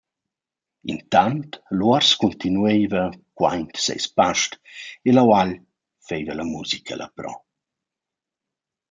Intant l’uors cuntinuaiva quaint seis past e l’aual faiva la musica lapro.